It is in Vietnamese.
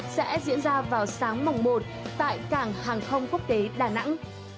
sẽ diễn ra vào sáng mùng một tại cảng hàng không quốc tế đà nẵng